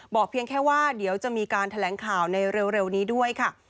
เพียงแค่ว่าเดี๋ยวจะมีการแถลงข่าวในเร็วนี้ด้วยค่ะ